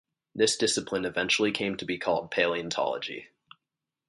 This discipline eventually came to be called palaeontology.